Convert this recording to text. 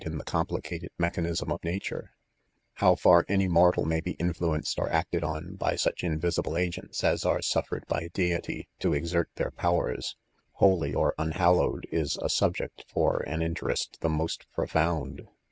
a the complicated me chanism of nature. ? How far any mortal may be influenced or acted on try BuCft In v 151 Die agcura. as aic suii^rcu VJ JL/CIIJ TO CAtU ;(. their powers, Iioly or unhallowed, is a subject for an in terest the most profound.